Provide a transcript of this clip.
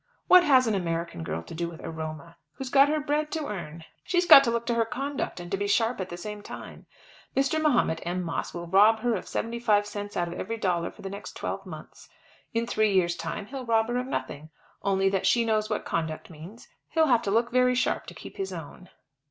What has an American girl to do with aroma, who's got her bread to earn? She's got to look to her conduct, and to be sharp at the same time. Mr. Mahomet M. Moss will rob her of seventy five cents out of every dollar for the next twelve months. In three years' time he'll rob her of nothing. Only that she knows what conduct means, he'd have to look very sharp to keep his own."